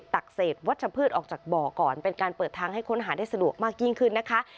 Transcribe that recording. ตักเศษวัชพืชออกจากบ่อก่อนเป็นการเปิดทางให้ค้นหาได้สะดวกมากยิ่งขึ้นนะคะ